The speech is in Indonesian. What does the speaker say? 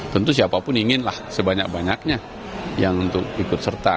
tentu siapapun inginlah sebanyak banyaknya yang untuk ikut serta